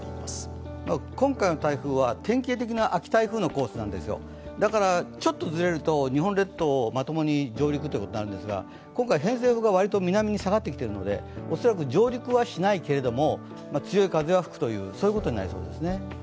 今回の台風は典型的な秋台風のコースですだからちょっとずれると日本列島にまともに上陸となるんですが、今回、偏西風が割と南に下がってきているので、恐らく上陸はしないけれども強い風は吹くということになりそうですね。